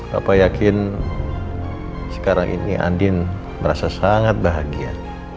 bapak yakin sekarang ini andin merasa sangat bahagia